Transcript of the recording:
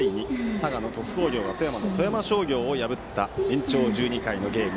佐賀の鳥栖工業が富山の富山商業を破った延長１２回のゲーム。